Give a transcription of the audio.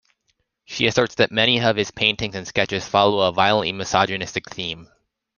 She asserts that many of his paintings and sketches follow a violently misogynistic theme.